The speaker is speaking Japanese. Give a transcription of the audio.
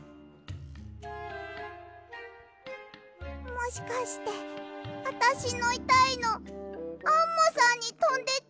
もしかしてあたしのいたいのアンモさんにとんでっちゃったのかも。